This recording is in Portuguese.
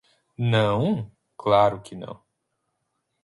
Não? claro que não.